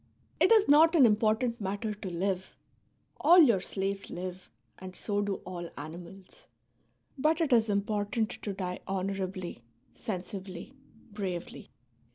It is not an important matter to live ; all your slaves live, and so do all animals ; but it is important to die honourably, sensibly, bravely.